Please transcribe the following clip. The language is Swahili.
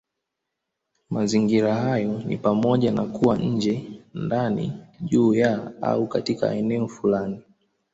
Mazingira hayo ni pamoja na kuwa nje, ndani, juu ya, au katika eneo fulani.